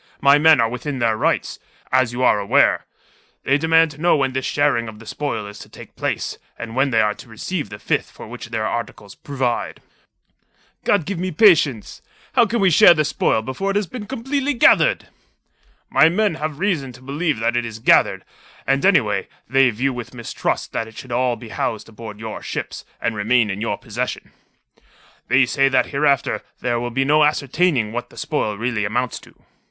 My men are within their rights, as you are aware. They demand to know when this sharing of the spoil is to take place, and when they are to receive the fifth for which their articles provide." "God give me patience! How can we share the spoil before it has been completely gathered?" "My men have reason to believe that it is gathered; and, anyway, they view with mistrust that it should all be housed aboard your ships, and remain in your possession. They say that hereafter there will be no ascertaining what the spoil really amounts to."